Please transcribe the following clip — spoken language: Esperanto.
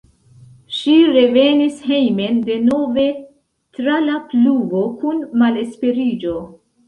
Ŝi revenis hejmen denove tra la pluvo kun malesperiĝo.